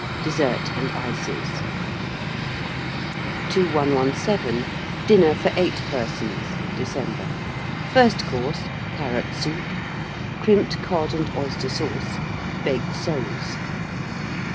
DESSERT AND ICES. 2117. DINNER FOR 8 PERSONS (December). FIRST COURSE. Carrot Soup. Crimped Cod and Oyster Sauce. Baked Soles.